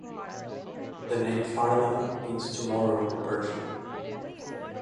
The name "Farda" means "tomorrow" in Persian.